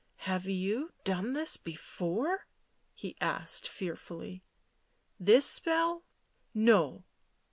"Have you done this before?" he asked fearfully. "This spell? No."